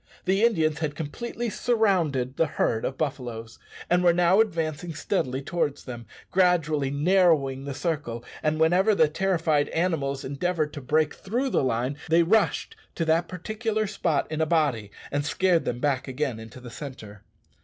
The Indians had completely surrounded the herd of buffaloes, and were now advancing steadily towards them, gradually narrowing the circle, and whenever the terrified animals endeavoured to break through the line, they rushed to that particular spot in a body, and scared them back again into the centre.